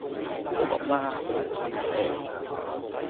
唔好咁啦，佢都冇心嘅